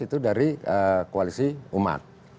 itu dari koalisi umat